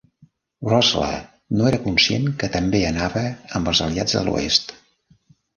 Roessler no era conscient que també anava amb els aliats de l'oest.